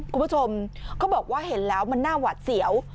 คุณผู้ชมเขาบอกว่าเห็นแล้วมันน่าหวัดเสียว